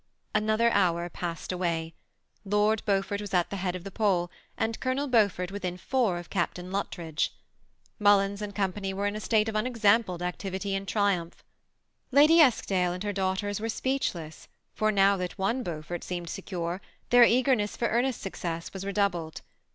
Another hour passed away. Lord Beaufort was at the head of the poll, and Colonel Beaufort within four of Captain Luttridge. Mullins and Co. were in a state TOE SEMI ATTACHED COUPLE. 279 of uDexampled activity and triumph. Lady Eskdale And her daughters were speechless, for now that one Beaufort seemed secure, their eagerness for Ernest's aucoess«was redoubled.